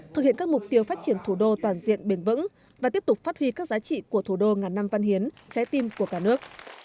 thực hiện các mục tiêu phát triển thủ đô toàn diện bền vững và tiếp tục phát huy các giá trị của thủ đô ngàn năm văn hiến trái tim của cả nước